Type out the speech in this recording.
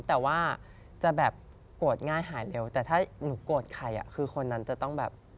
แต่ว่าจะแบบโกรธง่ายหายเร็วแต่ถ้าหนูโกรธใครคือคนนั้นจะต้องแบบ